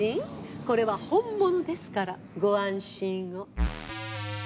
これは本物ですからご安心を。